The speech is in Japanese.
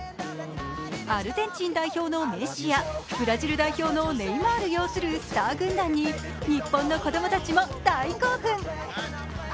アルゼンチン代表のメッシやブラジル代表のネイマール擁するスター軍団に日本の子供たちも大興奮。